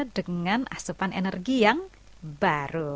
dengan asupan energi yang baru